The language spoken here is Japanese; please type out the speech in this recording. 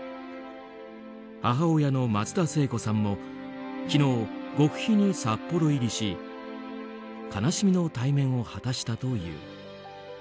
母親の松田聖子さんも昨日、極秘に札幌入りし悲しみの対面を果たしたという。